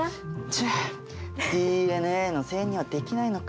ちぇっＤＮＡのせいにはできないのか。